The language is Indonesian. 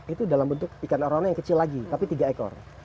itu dalam bentuk ikan arono yang kecil lagi tapi tiga ekor